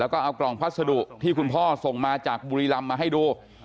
แล้วก็เอากล่องพัสดุที่คุณพ่อส่งมาจากบุรีรำมาให้ดู